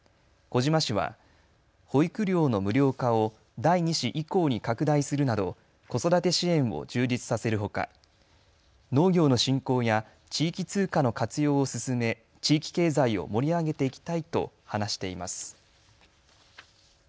小島氏は保育料の無料化を第２子以降に拡大するなど子育て支援を充実させるほか農業の振興や地域通貨の活用を進め地域経済を盛り上げていきたいと話しています。